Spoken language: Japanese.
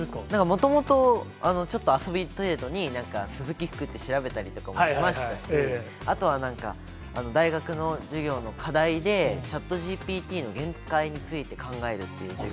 もともと、ちょっと遊び程度に、なんか鈴木福って調べたりとかもしましたし、あとはなんか、大学の授業の課題で、チャットＧＰＴの限界について考えるっていう授業。